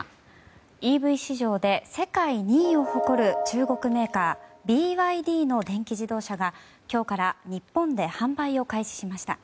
ＥＶ市場で世界２位を誇る中国メーカーＢＹＤの電気自動車が今日から日本で販売を開始しました。